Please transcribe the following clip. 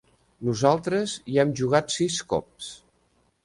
Nosaltres hi hem jugat sis cops.